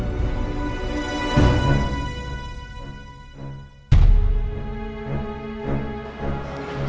pak bobi pak